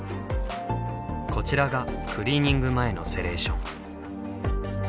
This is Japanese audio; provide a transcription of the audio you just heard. こちらがクリーニング前のセレーション。